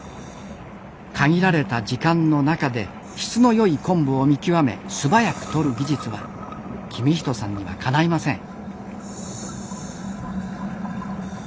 限られた時間の中で質の良い昆布を見極め素早くとる技術は公人さんにはかないません。